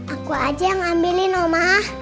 aku aja yang ngambilin omah